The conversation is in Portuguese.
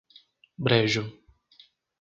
Brejo